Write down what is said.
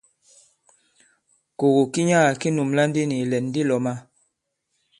Kògò ki nyaga ki nùmblà ndi nì ìlɛ̀n di lɔ̄mā.